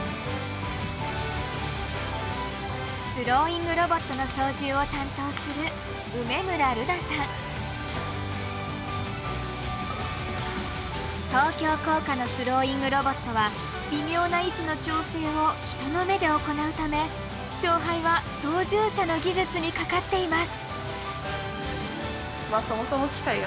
スローイングロボットの操縦を担当する東京工科のスローイングロボットは微妙な位置の調整を人の目で行うため勝敗は操縦者の技術にかかっています。